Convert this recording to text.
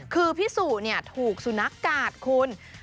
คือพิศุถูกสูนักกัดคุณ